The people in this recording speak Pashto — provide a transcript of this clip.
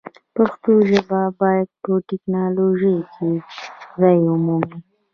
پښتو ژبه باید په ټکنالوژۍ کې ځای ومومي.